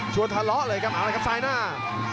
ทะเลาะเลยครับเอาเลยครับซ้ายหน้า